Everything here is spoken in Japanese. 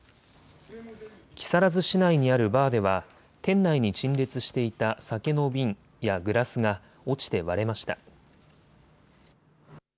木更津市内にあるバーでは、店内に陳列していた酒の瓶やグラスが落ちて割れました。